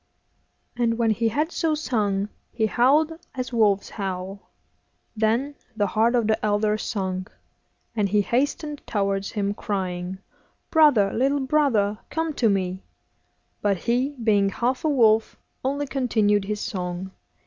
And when he had so sung he howled as wolves howl. Then the heart of the elder sunk, and he hastened towards him, crying, 'Brother, little brother, come to me;' but he, being half a wolf, only continued his song.